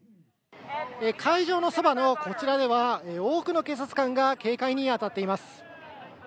会場のそばのこちらでは、多くの警察官が警戒に当たっています。